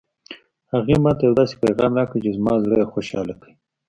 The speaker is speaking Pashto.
هغې ما ته یو داسې پېغام راکړ چې زما زړه یې خوشحاله کړ